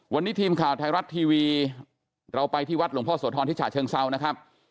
วันนี้ทีมข่าวไทยรัฐทีวีเราไปที่วัดหลวงพ่อโสธรที่ฉะเชิงเซานะครับ